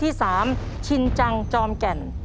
ไก่ย่างครับ